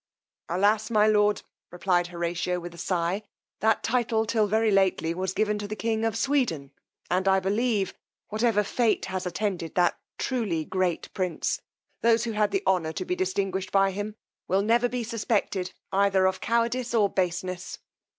Alas! my lord, replied Horatio with a sigh, that title, till very lately, was given to the king of Sweden, and, I believe, whatever fate has attended that truly great prince, those who had the honour to be distinguished by him, will never be suspected either of cowardice or baseness.